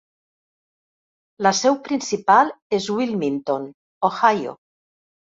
La seu principal és Wilmington, Ohio.